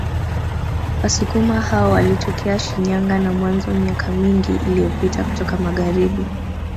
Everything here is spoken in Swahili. Wasukuma hao walitokea Shinyanga na Mwanza miaka mingi iliyopita kutoka Magharibi